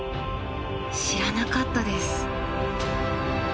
知らなかったです。